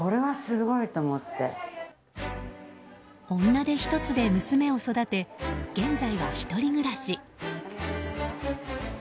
女手ひとつで娘を育て現在は１人暮らし。